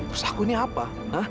terus aku ini apa